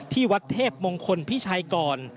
ที่วัดเทพมงคลพิชัยก่อน